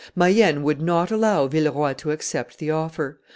Mayenne would not allow Villeroi to accept the offer.